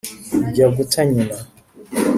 ijya guta nyina